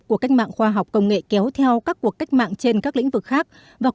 cuộc cách mạng khoa học công nghệ kéo theo các cuộc cách mạng trên các lĩnh vực khác